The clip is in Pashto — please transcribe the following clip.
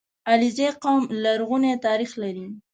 • علیزي قوم لرغونی تاریخ لري.